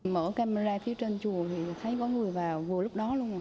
mở camera phía trên chùa thì thấy có người vào vừa lúc đó luôn